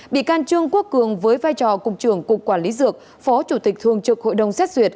bị can trương quốc cường với vai trò cục trưởng cục quản lý dược phó chủ tịch thường trực hội đồng xét duyệt